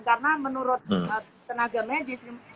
karena menurut tenaga medis